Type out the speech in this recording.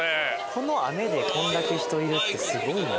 この雨でこれだけ人いるってすごいな。